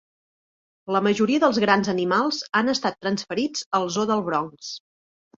La majoria dels grans animals han estat transferits al zoo del Bronx.